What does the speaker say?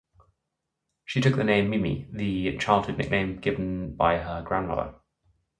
She took the name "Mimi", the childhood nickname given by her grandmother.